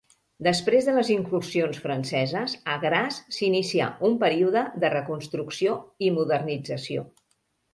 Després de les incursions franceses, a Graz s'inicià un període de reconstrucció i modernització.